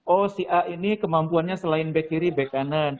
oh si a ini kemampuannya selain back kiri back kanan